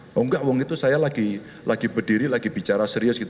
oh enggak wong itu saya lagi berdiri lagi bicara serius gitu